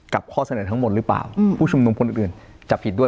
ข้อเสนอทั้งหมดหรือเปล่าผู้ชุมนุมคนอื่นจับผิดด้วย